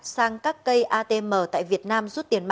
sang các cây atm